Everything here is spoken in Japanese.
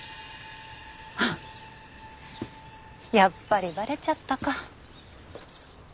やっぱりバレちゃったか。